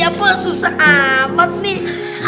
apa susah amat nih